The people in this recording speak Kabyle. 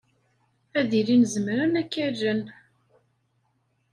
Ad ilin zemren ad k-allen.